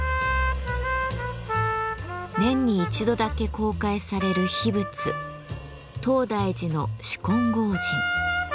年に一度だけ公開される秘仏東大寺の執金剛神。